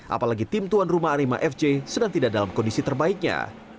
apalagi tim tuan rumah arema fc sedang tidak dalam kondisi terbaiknya